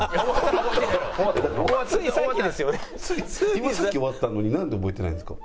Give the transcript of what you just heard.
今さっき終わったのになんで覚えてないんですか？